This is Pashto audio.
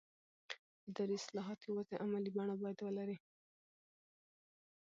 اداري اصلاحات یوازې عملي بڼه باید ولري